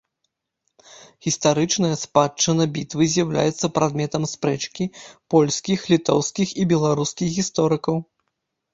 Гістарычная спадчына бітвы з'яўляецца прадметам спрэчкі польскіх, літоўскіх і беларускіх гісторыкаў.